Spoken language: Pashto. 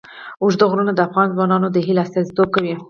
اوږده غرونه د افغان ځوانانو د هیلو استازیتوب کوي.